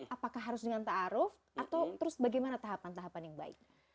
apakah harus dengan ta'aruf atau terus bagaimana tahapan tahapan yang baik